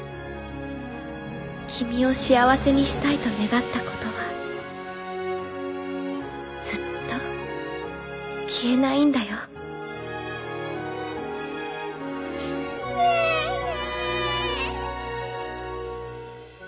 君を幸せにしたいと願ったことはずっと消えないんだよねぇね！